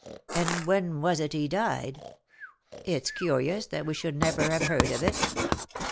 And when was it he died ? It's curious that we should never have heard of it."